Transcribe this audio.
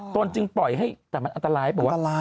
ตนจึงปล่อยให้แต่มันอันตรายบอกว่า